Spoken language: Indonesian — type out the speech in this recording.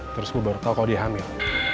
terus gue baru tahu kalau dia hamil